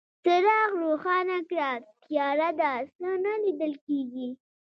څراغ روښانه کړه، تياره ده، څه نه ليدل کيږي.